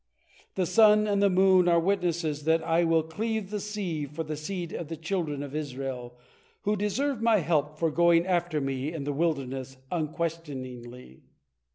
The sun and the moon are witnesses that I will cleave the sea for the seed of the children of Israel, who deserve My help for going after Me in the wilderness unquestioningly.